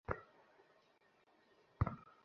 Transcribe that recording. আবার না-ও করতে পারে।